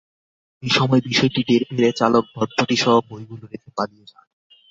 এ সময় বিষয়টি টের পেলে চালক ভটভটিসহ বইগুলো রেখে পালিয়ে যান।